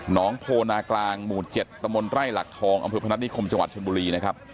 งโพนากลางหมู่๗ตมไร่หลักทองอำเภอพนัฐนิคมจังหวัดชนบุรีนะครับ